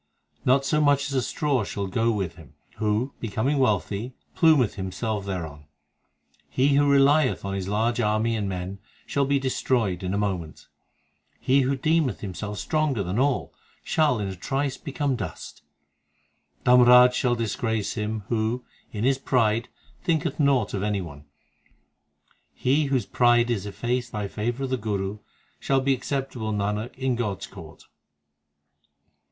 2 Not so much as a straw shall go with him, Who, becoming wealthy, plumeth himself thereon. He who relieth on his large army and men, Shall be destroyed in a moment ; He who deemeth himself stronger than all, Shall in a trice become dust ; Dharmraj shall disgrace him Who in his pride thinketh naught of any one. He whose pride is effaced by favour of the Guru, Shall be acceptable, Nanak, in God s court.